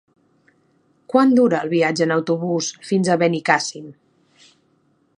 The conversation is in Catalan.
Quant dura el viatge en autobús fins a Benicàssim?